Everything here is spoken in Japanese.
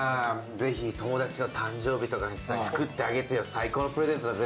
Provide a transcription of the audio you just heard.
ぜひ友達の誕生日とかにさ作ってあげてよ最高のプレゼントだぜ。